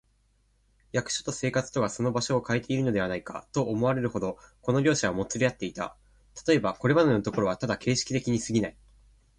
役所と生活とがその場所をかえているのではないか、と思われるほど、この両者はもつれ合っていた。たとえば、これまでのところはただ形式的にすぎない、